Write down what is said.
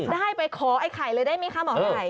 ได้ไปขอไอ้ไข่เลยได้ไหมคะหมอไก่